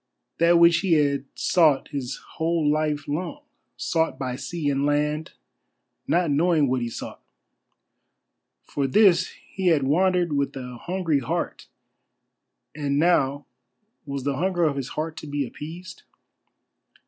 That which he had sought his whole life long; sought by sea and land, not knowing what he sought. For this he had wandered with a hungry heart, and now was the hunger of his heart to be appeased?